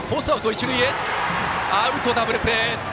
一塁もアウト、ダブルプレー。